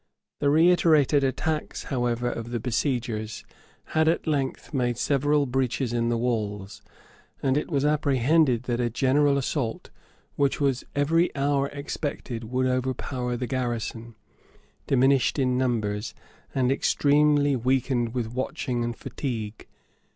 The reiterated attacks, however, of the besiegers had at length made several breaches in the walls; and it was apprehended that a general assault, which was every hour expected would overpower the garrison, diminished in numbers, and extremely weakened with watching and fatigue.